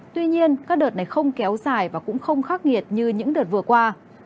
tuy nhiên các đợt này không kéo dài và cũng không khắc nghiệt như những đợt vừa qua